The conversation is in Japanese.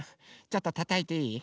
ちょっとたたいていい？